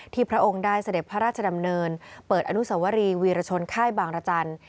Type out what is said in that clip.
พระองค์ได้เสด็จพระราชดำเนินเปิดอนุสวรีวีรชนค่ายบางรจันทร์